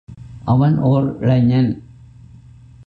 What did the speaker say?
அவன் ஓர் இளைஞன்.